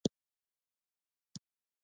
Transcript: ډاډ